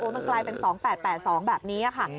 มันกลายเป็น๒๘๘๒แบบนี้ค่ะ